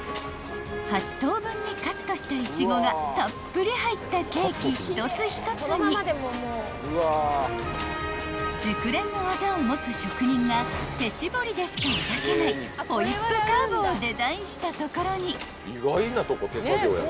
［８等分にカットしたイチゴがたっぷり入ったケーキ一つ一つに熟練の技を持つ職人が手絞りでしか描けないホイップカーブをデザインしたところに］